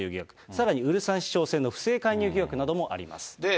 さらにウルサン市長選の不正介入疑惑などもあります。